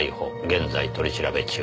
現在取り調べ中」